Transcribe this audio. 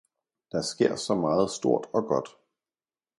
Der sker så meget stort og godt